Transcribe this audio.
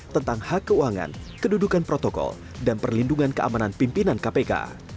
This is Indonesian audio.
tentang hak keuangan kedudukan protokol dan perlindungan keamanan pimpinan kpk